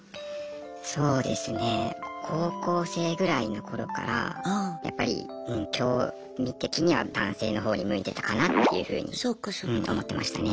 そうですね高校生ぐらいの頃からやっぱり興味的には男性の方に向いてたかなっていうふうに思ってましたね。